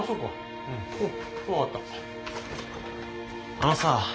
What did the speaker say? あのさ。